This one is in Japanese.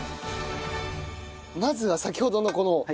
まずは先ほどのこの肝。